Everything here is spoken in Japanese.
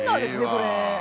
これ。